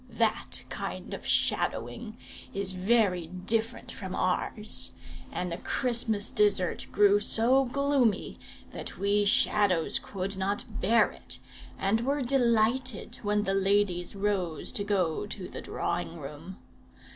That kind of shadowing is very different from ours; and the Christmas dessert grew so gloomy that we Shadows could not bear it, and were delighted when the ladies rose to go to the drawing room.